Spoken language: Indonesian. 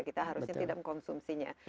kita harusnya tidak mengkonsumsinya